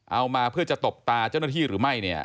เอามาเพื่อจะตบตาเจ้าหน้าที่หรือไม่เนี่ย